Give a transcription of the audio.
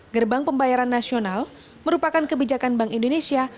gerbang pembayaran nasional merupakan kebijakan bank indonesia